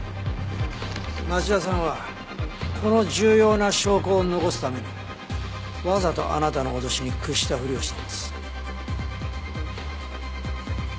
町田さんはこの重要な証拠を残すためにわざとあなたの脅しに屈したふりをしたんです。